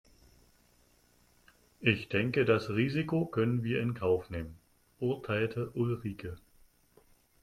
Ich denke das Risiko können wir in Kauf nehmen, urteilte Ulrike.